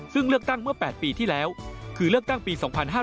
ซึ่งเลือกตั้งเมื่อ๘ปีที่แล้วคือเลือกตั้งปี๒๕๕๙